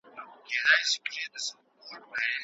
ستا سترګې د سوات د رڼو سهارونو په څېر ځلېږي.